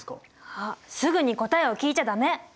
あっすぐに答えを聞いちゃ駄目！